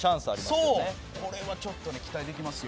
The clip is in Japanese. これはちょっと期待できますよ。